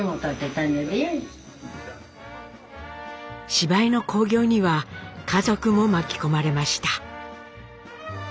芝居の興行には家族も巻き込まれました。